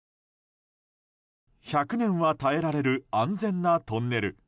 １００年は耐えられる安全なトンネル。